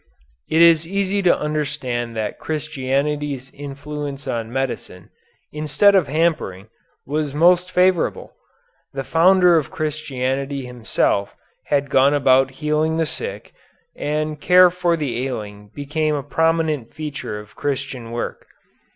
It is easy to understand that Christianity's influence on medicine, instead of hampering, was most favorable. The Founder of Christianity Himself had gone about healing the sick, and care for the ailing became a prominent feature of Christian work.